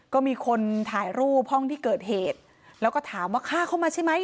ก็มีคนถ่ายรูปห้องที่เกิดเหตุแล้วก็ถามว่าฆ่าเข้ามาใช่ไหม